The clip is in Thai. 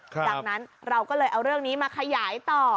ดังนั้นเราก็เลยเอาเรื่องนี้มาขยายต่อ